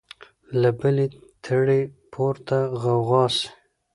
له بلي تړي پورته غوغا سي